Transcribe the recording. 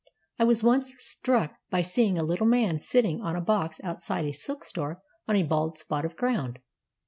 I was once struck by seeing a little man sitting on a box outside a silk store on a bald spot of ground.